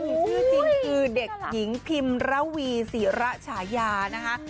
มีชื่อจริงคือเด็กหญิงพิมระวีศิระฉายานะคะ